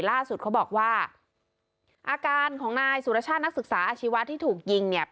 ล่าสุดเขาบอกว่าอาการของนายสุรชาตินักศึกษาอาชีวะที่ถูกยิงเนี่ย